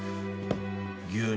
牛乳。